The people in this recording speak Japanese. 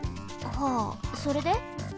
はあそれで？